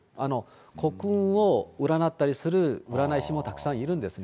国運を占ったりする占い師もたくさんいるんですね。